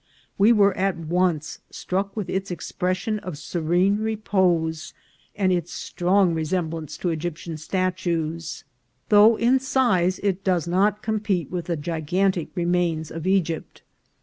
"We were at once struck with its expression of serene repose and its strong resemblance to Egyptian statues, though in size it does not compare with the gigantic remains of Egypt.